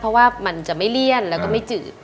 เพราะว่ามันจะไม่เลี้ยนและไม่จื๋อ